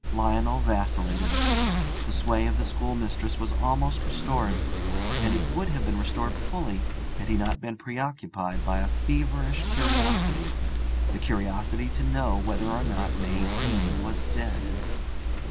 Lionel vacillated. The sway of the schoolmistress was almost restored, and it would have been restored fully had he not been preoccupied by a feverish curiosity the curiosity to know whether or not May Deane was dead.